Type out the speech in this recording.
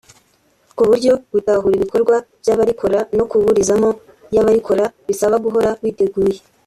ku buryo gutahura ibikorwa by’abarikora no kuburizamo y’abarikora bisaba guhora witeguye